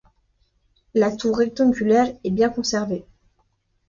La tour rectangulaire est bien conservée.